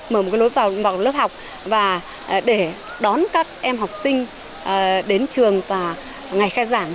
mở một lối vào bằng lớp học và để đón các em học sinh đến trường và ngày khai giảng